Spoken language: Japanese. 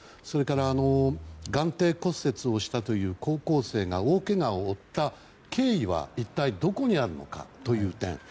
それから眼底骨折をしたという高校生が大けがを負った経緯は一体どこにあるのかという点。